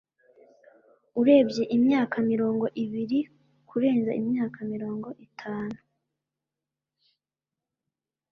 Urebye imyaka mirongo ibiri kurenza imyaka mirongo itanu